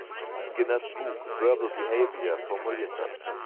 Skinners Buch "Verbal Behavior" formuliert hat.